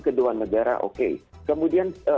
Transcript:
kedua negara oke kemudian